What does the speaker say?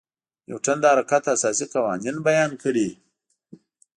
نیوټن د حرکت اساسي قوانین بیان کړي.